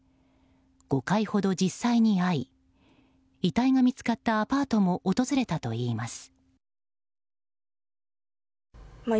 ５回ほど実際に会い遺体が見つかったアパートにも訪れたといいます。